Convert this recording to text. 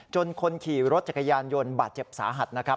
คนขี่รถจักรยานยนต์บาดเจ็บสาหัสนะครับ